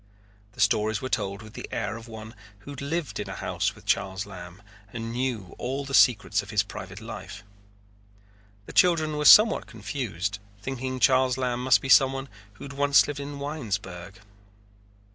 The stories were told with the air of one who had lived in a house with Charles Lamb and knew all the secrets of his private life. The children were somewhat confused, thinking Charles Lamb must be someone who had once lived in Winesburg.